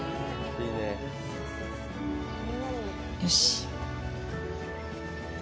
よし。